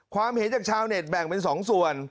ความเห็นจากชาวเน็ตแบ่งเป็น๒ส่วน